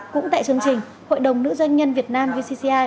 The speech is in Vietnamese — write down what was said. cũng tại chương trình hội đồng nữ doanh nhân việt nam vcci